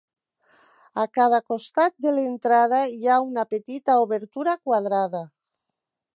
A cada costat de l'entrada hi ha una petita obertura quadrada.